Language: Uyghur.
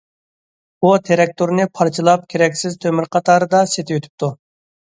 ئۇ تىراكتورنى پارچىلاپ كېرەكسىز تۆمۈر قاتارىدا سېتىۋېتىپتۇ.